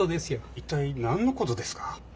一体何のことですか？